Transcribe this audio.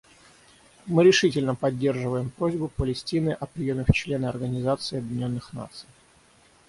Мы решительно поддерживаем просьбу Палестины о приеме в члены Организации Объединенных Наций.